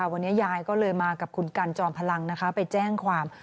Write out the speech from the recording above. วันนี้ยายก็เลยมากับคุณกันจอมพลังไปแจ้งความ